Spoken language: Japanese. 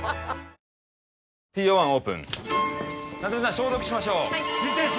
消毒しましょう心停止！